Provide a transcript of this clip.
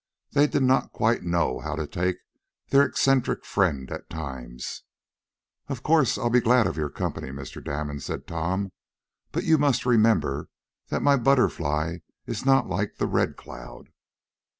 They did not quite know how to take their eccentric friend at times. "Of course I'll be glad of your company, Mr. Damon," said Tom: "but you must remember that my BUTTERFLY is not like the RED CLOUD.